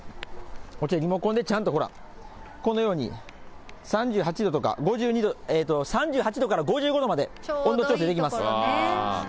こっち、リモコンでちゃんとほら、このように３８度とか５２度、３８度から５５度まで、温度調整できます。